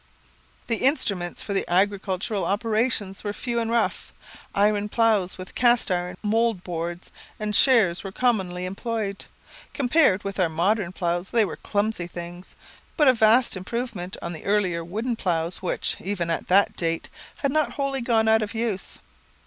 The instruments for the agricultural operations were few and rough. Iron ploughs with cast iron mould boards and shares were commonly employed. Compared with our modern ploughs, they were clumsy things, but a vast improvement on the earlier wooden ploughs which, even at that date, had not wholly gone out of use.